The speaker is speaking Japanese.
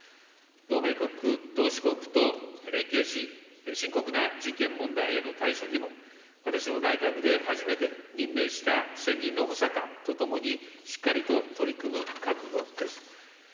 同盟国、同志国と連携し、深刻な人権問題への対処にも、私の内閣で初めて任命した専任の補佐官と共にしっかりと取り組む覚悟です。